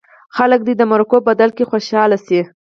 خلک دې د مرکو په بدل کې خوشاله شي.